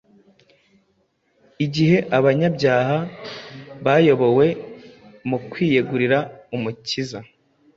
Igihe abanyabyaha bayobowe mu kwiyegurira Umukiza,